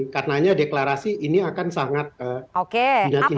karena deklarasi ini akan sangat sudah dinantikan